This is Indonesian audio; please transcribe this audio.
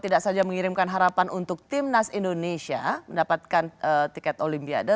tidak saja mengirimkan harapan untuk timnas indonesia mendapatkan tiket olimpiade